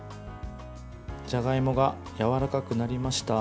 じゃがいもがやわらかくなりました。